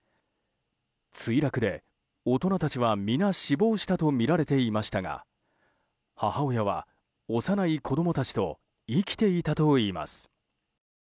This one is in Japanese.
墜落で大人たちは、皆死亡したとみられていましたが母親は幼い子供たちと生きていたといいます。